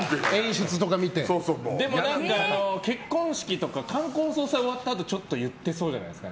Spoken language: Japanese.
でも結婚式とか冠婚葬祭終わったあと、ちょっと言ってそうじゃないですか